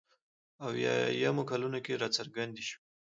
اویایمو کلونو کې راڅرګندې شوې.